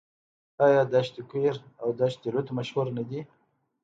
آیا دشت کویر او دشت لوت مشهورې نه دي؟